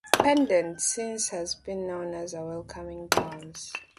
Pendet since has been known as a welcoming dance.